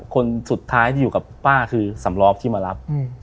คนสุดท้ายที่อยู่กับป้าคือสำรองที่มารับ